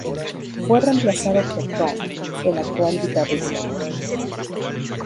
Fue reemplazado por Tom, el actual guitarrista.